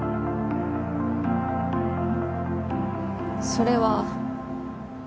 それは。